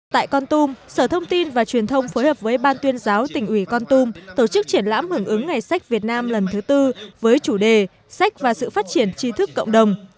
tại con tum sở thông tin và truyền thông phối hợp với ban tuyên giáo tỉnh ủy con tum tổ chức triển lãm hưởng ứng ngày sách việt nam lần thứ tư với chủ đề sách và sự phát triển tri thức cộng đồng